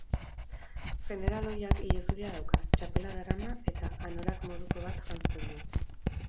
Jeneral ohiak ilezuria dauka, txapela darama eta anorak moduko bat janzten du.